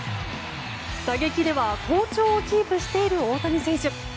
打撃では好調をキープしている大谷選手。